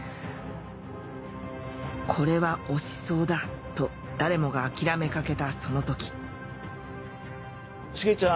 これは押しそうだと誰もが諦めかけたその時茂ちゃん